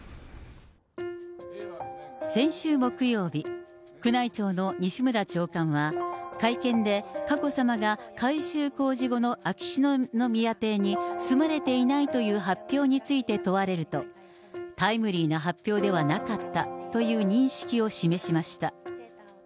先週木曜日、宮内庁の西村長官は、会見で佳子さまが改修工事後の秋篠宮邸に住まわれていないという発表について問われると、タイムリーな発表ではなかったという認識を示しました。